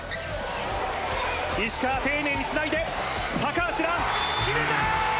石川、丁寧につないで、決めた！